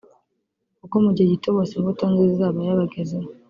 kuko mu gihe gito bose imbuto nziza izaba yabagezeho